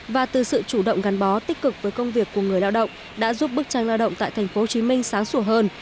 và từ sự chủ động gắn bó tích cực với công việc của người lao động đã giúp bức tranh lao động tại tp hcm sáng sủa hơn